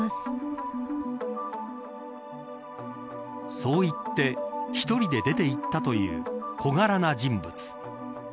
そう言って１人で出ていったという小柄な人物。